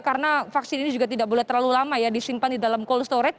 karena vaksin ini juga tidak boleh terlalu lama ya disimpan di dalam cold storage